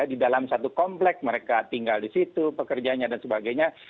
di dalam satu komplek mereka tinggal di situ pekerjanya dan sebagainya